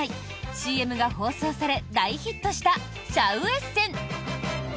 ＣＭが放送され大ヒットしたシャウエッセン。